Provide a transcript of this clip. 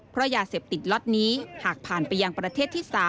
เพราะยาเสพติดล็อตนี้หากผ่านไปยังประเทศที่๓